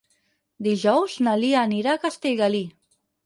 Dijous na Lia anirà a Castellgalí.